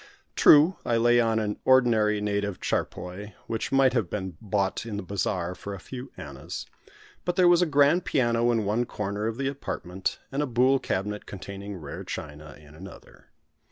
True, I lay on an ordinary native charpoy, which might have been bought in the bazaar for a few annas, but there was a grand piano in one corner of the apartment, and a buhl cabinet containing rare china in another.